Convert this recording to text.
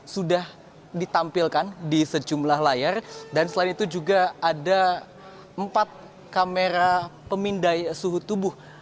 sudah ditampilkan di sejumlah layar dan selain itu juga ada empat kamera pemindai suhu tubuh